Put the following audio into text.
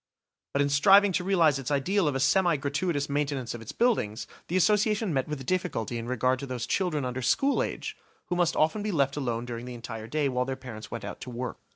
But in striving to realise its ideal of a semi gratuitous maintenance of its buildings, the Association met with a difficulty in regard to those children under school age, who must often be left alone during the entire day while their parents went out to work.